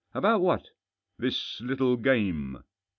" About what ?"« This little game.'